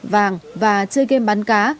vàng và chơi game bán cá